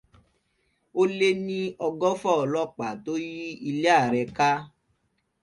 Ó lé ní ọgọ́fà ọlọ́pàá tó yí ilé ààrẹ ká.